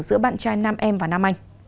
giữa bạn trai nam em và nam anh